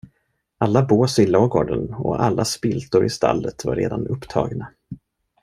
Alla bås i lagården och alla spiltor i stallet var redan upptagna.